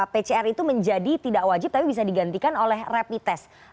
pcr itu menjadi tidak wajib tapi bisa digantikan oleh rapid test